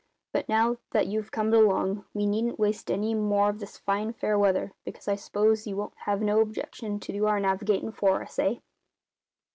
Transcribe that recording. But now that you've comed along we needn't waste any more of this fine fair wind, because I s'pose you won't have no objection to do our navigatin' for us, eh?"